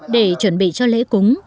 để chuẩn bị cho lễ cúng